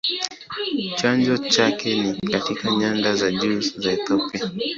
Chanzo chake ni katika nyanda za juu za Ethiopia.